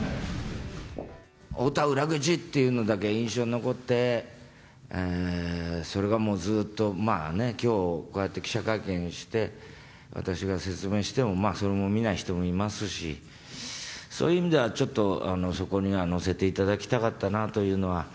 太田裏口っていうのだけが印象に残って、それがもうずっと、まあね、きょうこうやって記者会見して、私が説明しても、それも見ない人もいますし、そういう意味では、ちょっとそこには載せていただきたかったなっていうのは。